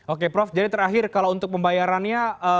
oke prof jadi terakhir kalau untuk pembayarannya